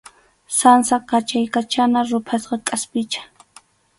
Sansa qachiykachana ruphasqa kʼaspicha.